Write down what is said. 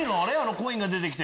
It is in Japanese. コインが出て来て。